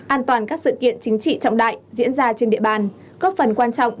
an toàn các sự kiện chính trị trọng đại diễn ra trên địa bàn góp phần quan trọng